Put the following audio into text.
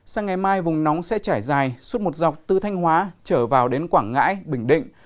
sang ngày mai vùng nóng sẽ trải dài suốt một dọc từ thanh hóa trở vào đến quảng ngãi bình định